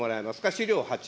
資料８。